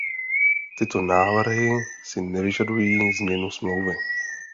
Tyto návrhy si nevyžadují změnu Smlouvy.